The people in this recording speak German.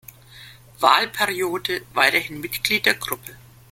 Wahlperiode weiterhin Mitglied der Gruppe.